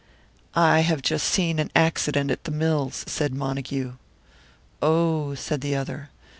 "I have just seen an accident in the mills," said Montague. "Oh!" said the other.